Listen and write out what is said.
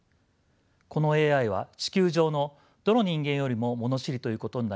このＡＩは地球上のどの人間よりも物知りということになります。